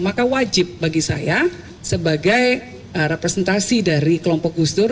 maka wajib bagi saya sebagai representasi dari kelompok gusdur